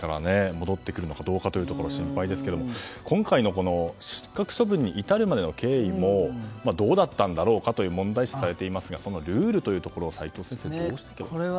戻ってくるのかどうか心配ですけれども今回の失格処分に至るまでの経緯もどうだったんだろうかと問題視されていますがそのルールというところ齋藤先生、どうでしょうか。